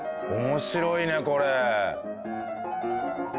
面白いねこれ！